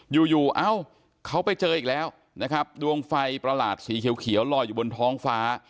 อยู่อยู่เอ้าเขาไปเจออีกแล้วนะครับดวงไฟประหลาดสีเขียวลอยอยู่บนท้องฟ้า